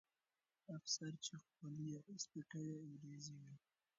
افسر چې خولۍ یې ایسته کړه، انګریزي وو.